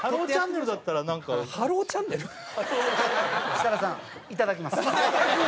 設楽さんいただきます。